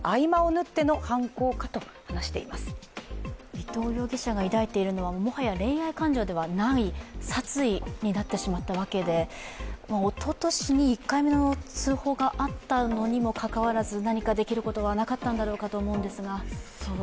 伊藤容疑者が抱いているのはもはや恋愛感情ではない、殺意になってしまったわけでおととしに１回目の通報があったのにもかかわらず、何かできることはなかったんだろうと思うんですが。